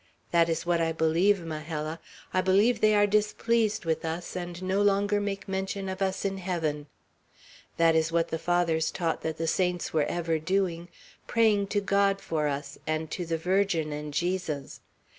That is what I believe, Majella. I believe they are displeased with us, and no longer make mention of us in heaven. That is what the Fathers taught that the saints were ever doing, praying to God for us, and to the Virgin and Jesus.